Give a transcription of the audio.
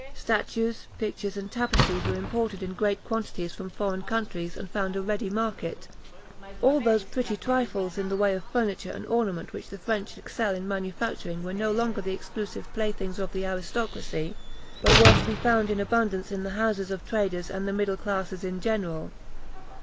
Statues, pictures, and tapestries were imported in great quantities from foreign countries, and found a ready market. All those pretty trifles in the way of furniture and ornament which the French excel in manufacturing were no longer the exclusive playthings of the aristocracy, but were to be found in abundance in the houses of traders and the middle classes in general.